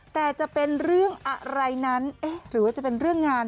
แต่จะเป็นเรื่องอะไรนั้นเอ๊ะหรือว่าจะเป็นเรื่องงาน